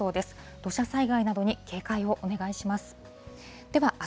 土砂災害などに警戒をお願いします。